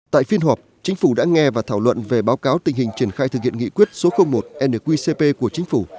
tại phiên họp chính phủ đã nghe và thảo luận về báo cáo tình hình triển khai thực hiện nghị quyết số một nqcp của chính phủ